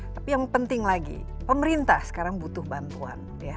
tapi yang penting lagi pemerintah sekarang butuh bantuan